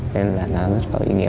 nên là nó rất có ý nghĩa